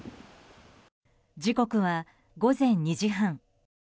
時刻は午前２時半。